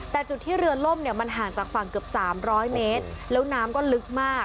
แต่จุดที่เรือล่มเนี่ยมันห่างจากฝั่งเกือบ๓๐๐เมตรแล้วน้ำก็ลึกมาก